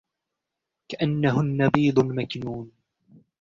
كأنهن بيض مكنون